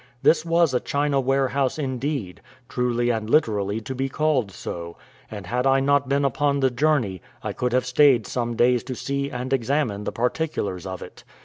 This was a China warehouse indeed, truly and literally to be called so, and had I not been upon the journey, I could have stayed some days to see and examine the particulars of it.